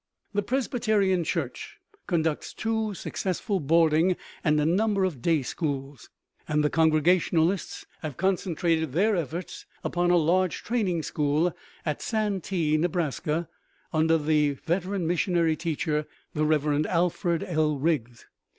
The Presbyterian Church conducts two successful boarding and a number of day schools; and the Congregationalists have concentrated their efforts upon a large training school at Santee, Nebraska, under the veteran missionary teacher, Rev. Alfred L. Riggs.